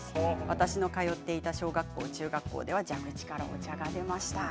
私の通っていた小学校中学校では蛇口からお茶が出ました。